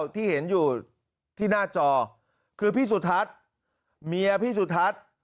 ที่เห็นอยู่ที่หน้าจอคือพี่สุทัศน์เมียพี่สุทัศน์